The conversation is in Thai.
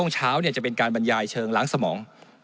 เช้าเนี่ยจะเป็นการบรรยายเชิงหลังสมอง